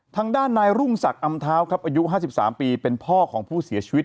ทางด้านนายรุ่งศักดิ์อำเท้าครับอายุ๕๓ปีเป็นพ่อของผู้เสียชีวิต